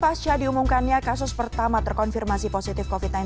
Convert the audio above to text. pasca diumumkannya kasus pertama terkonfirmasi positif covid sembilan belas